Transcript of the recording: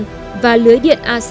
từ mạng lưới đường cao tốc asean